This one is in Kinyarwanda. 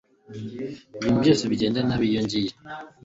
Ibintu byose bigenda nabi iyo ngiye